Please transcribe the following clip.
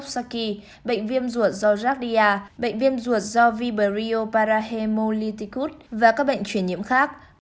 bệnh viêm do rickettsia bệnh viêm ruột do rickettsia bệnh viêm ruột do viberioparahemolyticus và các bệnh truyền nhiễm khác